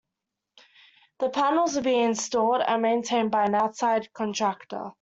The panels would be installed and maintained by an outside contractor.